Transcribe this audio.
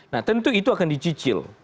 nah tentu itu akan dicicil